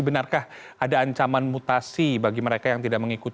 benarkah ada ancaman mutasi bagi mereka yang tidak mengikuti